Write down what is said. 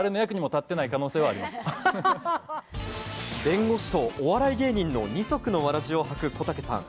弁護士とお笑い芸人の二足のわらじを履く、こたけさん。